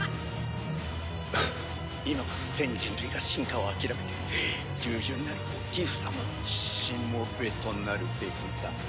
「今こそ全人類が進化を諦めて従順なるギフ様のしもべとなるべきだ」